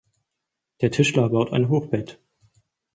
Der Tischler baut ein Hochbett.